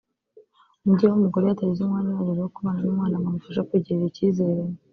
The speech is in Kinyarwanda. umubyeyi w’umugore iyo atagize umwanya uhagije wo kubana n’umwana ngo amufashe kwigirira icyizere